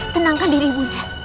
tenangkan diri ibu nda